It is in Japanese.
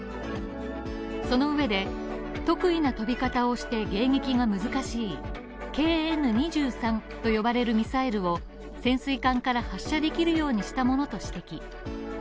その上で、特異な飛び方をして迎撃が難しいＫＮ−２３と呼ばれるミサイルを潜水艦から発射できるようにしたものと指摘。